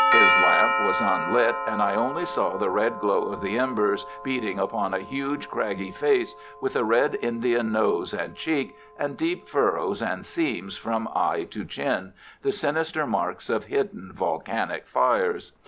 His lamp was unlit, and I only saw the red glow of the embers beating upon a huge, craggy face, with a Red Indian nose and cheek, and deep furrows and seams from eye to chin, the sinister marks of hidden volcanic fires.